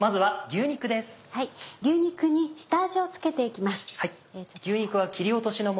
牛肉に下味を付けて行きます。